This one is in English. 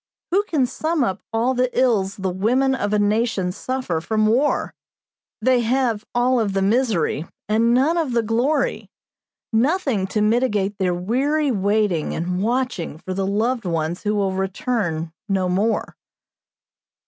Who can sum up all the ills the women of a nation suffer from war? They have all of the misery and none of the glory; nothing to mitigate their weary waiting and watching for the loved ones who will return no more.